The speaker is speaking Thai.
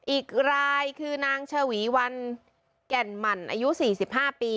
อีกรายคือนางชวีวันแก่นหมั่นอายุ๔๕ปี